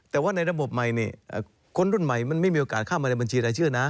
แต่ว่าในระบบใหม่นี่คนรุ่นใหม่มันไม่มีโอกาสเข้ามาในบัญชีรายชื่อนะ